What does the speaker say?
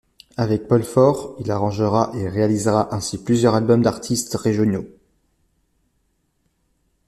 Avec Paul Faure il arrangera et réalisera ainsi plusieurs albums d'artistes régionaux.